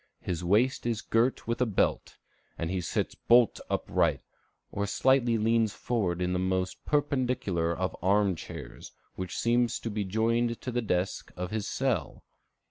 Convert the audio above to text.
His waist is girt with a belt; and he sits bolt upright, or slightly leans forward in the most perpendicular of arm chairs, which seems to be joined to the desk of his cell.